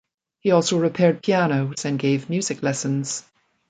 He also repaired pianos and gave music lessons.